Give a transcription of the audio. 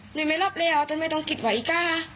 หนึ่งไม่รับเรียนแต่ไม่ต้องกซ์ไหว้ไว้จ้า